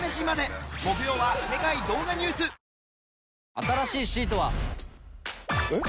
新しいシートは。えっ？